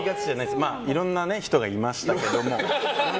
まあ、いろんな人がいましたけど。